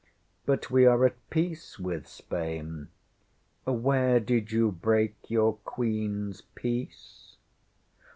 But we are at peace with Spain. Where did you break your QueenŌĆÖs peace?